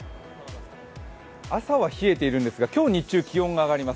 朝は冷えているんですが今日日中は気温が上がります。